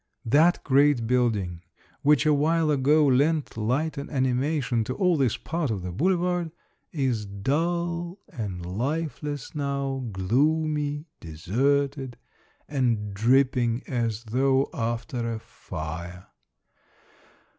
That great building, which a while ago lent light and animation to all this part of the boulevard, is dull and lifeless now, gloomy, deserted, and dripping as though after a fire.